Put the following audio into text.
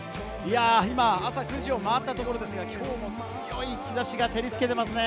今、朝９時を回ったところですが、今日も強い日差しが照りつけていますね。